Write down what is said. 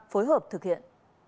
phối hợp thực hiện